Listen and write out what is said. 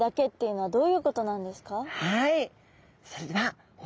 はい。